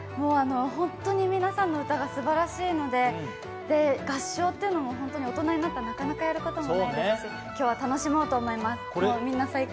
本当に皆さんの歌がすばらしいので、合唱っていうのも大人になったらなかなかやることもないですし今日は楽しもうと思います、みんな最高。